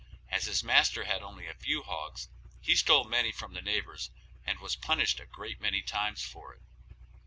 As his master had only a few hogs, he stole many from the neighbors and was punished a great many times for it.